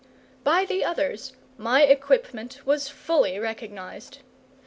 By the others my equipment was fully recognized.